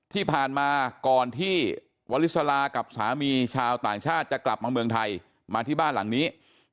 ที่ผ่านมาก่อนที่วลิสลากับสามีชาวต่างชาติจะกลับมาเมืองไทยมาที่บ้านหลังนี้